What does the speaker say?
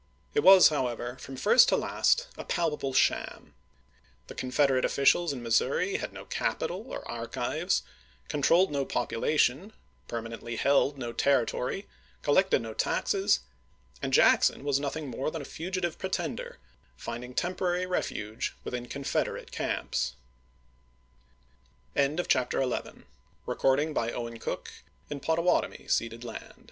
It was, however, from first to last, a palpable sham ; the Confederate officials in Missouri had no capital or archives, controlled no population, permanently held no territory, collected no taxes ; and Jackson was nothing more than a fugitive pretender, find ing temporary refuge within Confederate camps. CHAPTER XII KENTUCKY THE three States of Ohio, Indiana, and Illi chap.